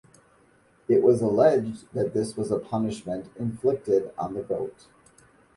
It was alleged that this was a punishment inflicted on the goat.